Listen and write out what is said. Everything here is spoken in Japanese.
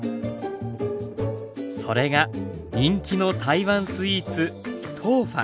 それが人気の台湾スイーツ豆花。